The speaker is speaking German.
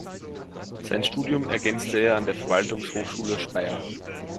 Sein Studium ergänzte er an der Verwaltungshochschule Speyer.